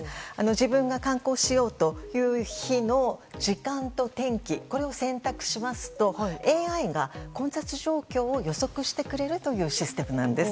自分が観光しようという日の時間と天気を選択しますとＡＩが混雑状況を予測してくれるシステムです。